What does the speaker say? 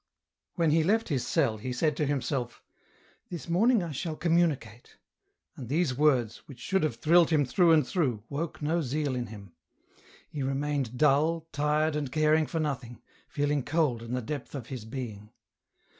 When he left his cell he said to himself, " This morning I shall communicate," and these words, which should have thrilled him through and through, woke no zeal in him. He remained dull, tired and caring for nothing, feeling cold in the depth of his being.